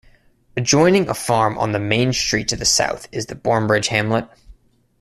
Adjoining a farm on the main street to the south is the Bournebridge hamlet.